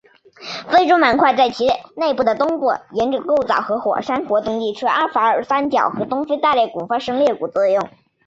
非洲板块在其内部的东部沿着构造和火山活动区阿法尔三角和东非大裂谷发生裂谷作用。